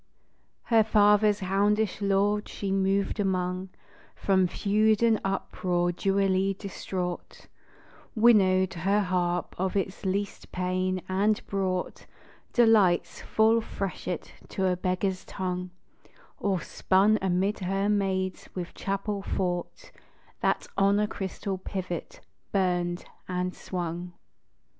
Her father's houndish lords she moved among, From feud and uproar dewily distraught; Winnowed her harp of its least pain; and brought Delight's full freshet to a beggar's tongue, Or spun amid her maids with chapel thought That on a crystal pivot burned and swung.